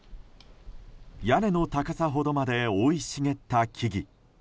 屋根の高さほどまで生い茂った木々。